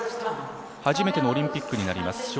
初めてのオリンピックになります。